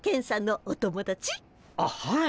あっはい。